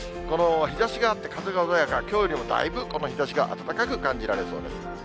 この日ざしがあって、風が穏やか、きょうよりもだいぶこの日ざしが暖かく感じられそうです。